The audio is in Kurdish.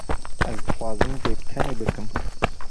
Ez dixwazim vê bi tenê bikim.